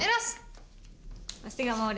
eh ros pasti gak mau deh